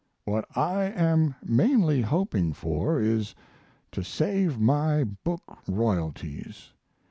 What I am mainly hoping for is to save my book royalties.